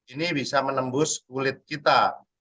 ini bisa menembus kulit kita